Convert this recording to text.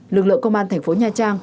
lực lượng công an thành phố nhà trang